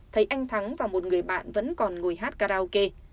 thấy anh thắng và một người bạn vẫn còn ngồi hát karaoke